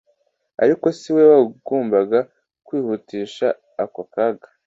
Ariko si we wagombaga kwihutisha ako kaga,